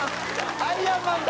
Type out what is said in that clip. アイアンマンだ！